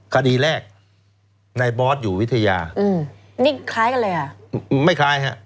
คดีแรกในบอสอยู่วิทยาอืมนี่คล้ายกันเลยอ่ะไม่คล้ายฮะ